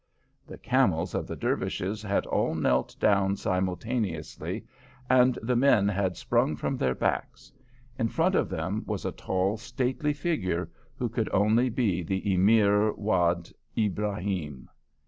The camels of the Dervishes had all knelt down simultaneously, and the men had sprung from their backs. In front of them was a tall, stately figure, who could only be the Emir Wad Ibrahim.